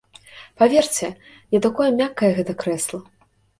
Паверце, не такое мяккае гэта крэсла.